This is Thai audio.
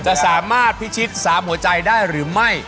จะสามารถพิชิต๓หัวใจได้หรือไม่